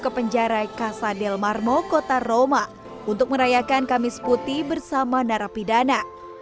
ke penjarai casa del marmo kota roma untuk merayakan kamis putih bersama narapidana